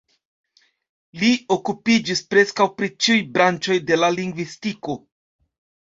Li okupiĝis preskaŭ pri ĉiuj branĉoj de la lingvistiko.